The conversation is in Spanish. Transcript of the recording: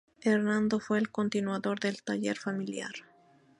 Hernando fue el continuador del taller familiar.